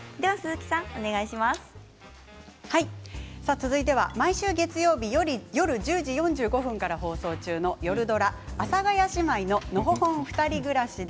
続いて毎週月曜日夜１０時４５分から放送中のよるドラ「阿佐ヶ谷姉妹ののほほんふたり暮らし」